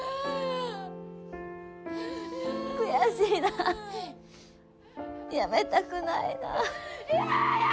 悔しいなあやめたくないなあ。